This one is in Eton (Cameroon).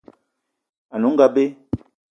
Ane onga be.